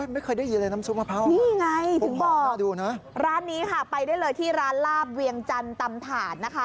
ไม่เคยได้ยินเลยน้ำซุปมะพร้าวนี่ไงถึงบอกร้านนี้ค่ะไปได้เลยที่ร้านลาบเวียงจันทร์ตำถาดนะคะ